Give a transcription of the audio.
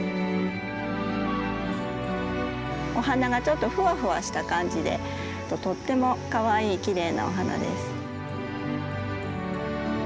お花がちょっとふわふわした感じでとってもかわいいきれいなお花です。